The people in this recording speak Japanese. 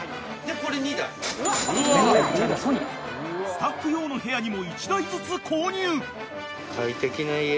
［スタッフ用の部屋にも１台ずつ購入］